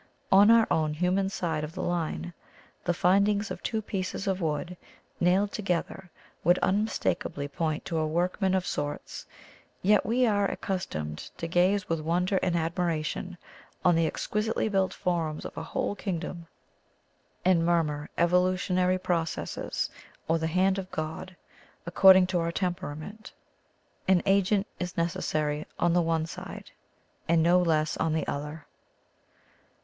On our own hu man side of the line the finding of two pieces of wood nailed together would unmistakably point to a workman of sorts, yet we are ac customed to gaze with wonder and admira tion on the exquisitely built forms of a whole kingdom, and murmur 'evolutionary proc esses,' or 'the hand of God,' according to our temperament. An agent is necessary on the one side and no less on the other.